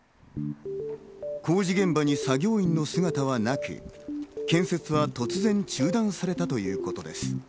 工事現場に作業員の姿はなく、建設は突然、中断されたということです。